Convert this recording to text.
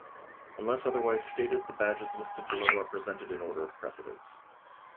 Unless otherwise stated, the badges listed below are presented in order of precedence.